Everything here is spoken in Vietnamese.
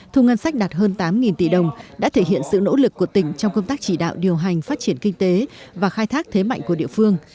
thu ngân sách đạt hơn tám tỷ đồng đã thể hiện sự nỗ lực của tỉnh trong công tác chỉ đạo điều hành phát triển kinh tế và khai thác thế mạnh của địa phương